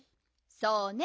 そうね。